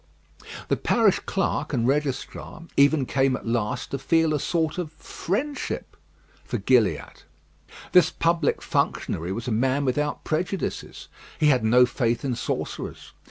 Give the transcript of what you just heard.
The parish clerk and registrar even came at last to feel a sort of friendship for Gilliatt. This public functionary was a man without prejudices. He had no faith in sorcerers.